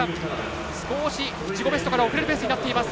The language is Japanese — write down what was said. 少し自己ベストから遅れるペースになっています。